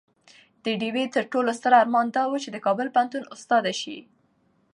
د ډيوې تر ټولو ستر ارمان دا وو چې د کابل پوهنتون استاده شي